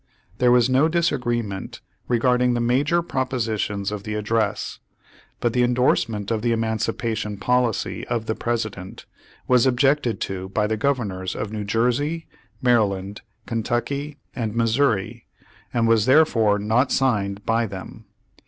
There was no disagree ment regarding the major propositions of the address, but the endorsement of the emancipa tion policy of the President was objected to by the governors of New Jersey, Maryland, Ken tucky, and Missouri, and was therefore not signed by them.